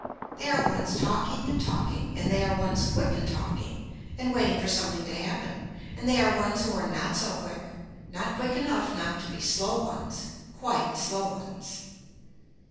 They are ones talking and talking and they are ones quick in talking and waiting for something to happen and they are ones who are not so quick, not quick enough not to be slow ones, quite slow ones.